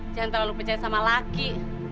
jangan terlalu percaya sama laki